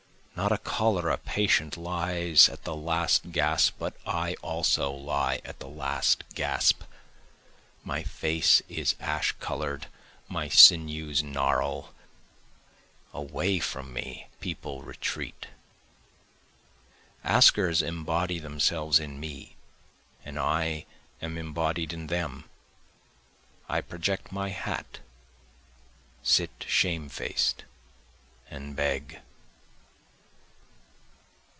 Not a cholera patient lies at the last gasp but I also lie at the last gasp, My face is ash color'd, my sinews gnarl, away from me people retreat. Askers embody themselves in me and I am embodied in them, I project my hat, sit shame faced, and beg.